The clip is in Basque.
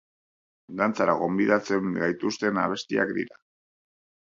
Dantzara gonbidatzen gaituzten abestiak dira.